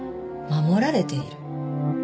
守られている？